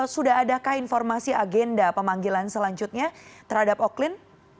sudah adakah informasi agenda pemanggilan selanjutnya terhadap oklin